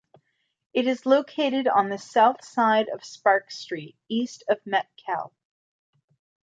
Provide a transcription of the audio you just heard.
It is located on the south side of Sparks Street, east of Metcalfe.